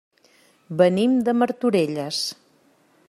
Venim de Martorelles.